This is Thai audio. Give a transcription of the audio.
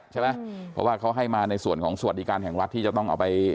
ใช่ไหมเพราะว่าเขาให้มาในส่วนของสวัสดิการแห่งรัฐที่จะต้องเอาไป